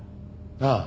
ああ。